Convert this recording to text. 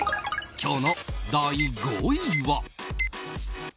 今日の第５位は。